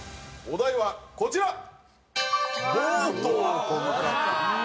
お題はこちら！